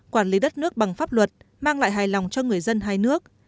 quản lý đất nước bằng pháp luật mang lại hài lòng cho người dân hai nước